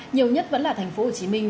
nhiều nhất vẫn là thành phố hồ chí minh